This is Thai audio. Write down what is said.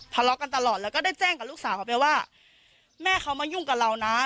ทะเลาะกันตลอดแล้วก็ได้แจ้งกับลูกสาวเขาไปว่าแม่เขามายุ่งกับเรานะ